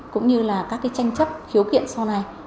cũng như là các cái tranh chấp khiếu kiện sau này